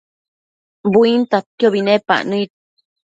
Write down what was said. buintadquiobi nepac nëid